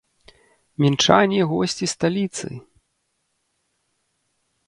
Мінчане і госці сталіцы!